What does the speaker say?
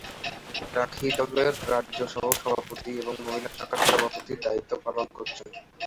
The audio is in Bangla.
রাখি দলের রাজ্য সহ-সভাপতি এবং মহিলা শাখার সভাপতির দায়িত্ব পালন করছেন।